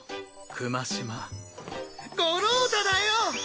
熊島五郎太だよ！